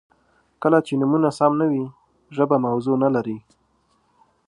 • کله چې نومونه سم نه وي، ژبه موضوع نهلري.